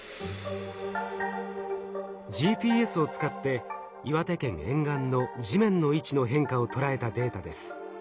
ＧＰＳを使って岩手県沿岸の地面の位置の変化を捉えたデータです。